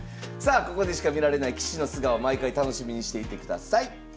さあここでしか見られない棋士の素顔毎回楽しみにしていてください。